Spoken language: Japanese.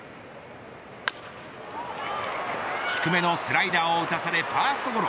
低めのスライダーを打たされファーストゴロ。